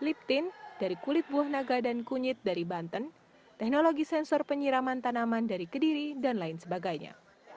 liptin dari kulit buah naga dan kunyit dari banten teknologi sensor penyiraman tanaman dari kediri dan lain sebagainya